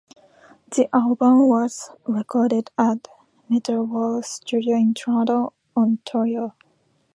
The album was recorded at Metalworks Studios in Toronto, Ontario.